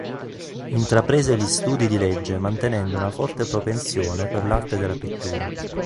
Intraprese gli studi di legge mantenendo una forte propensione per l'arte della pittura.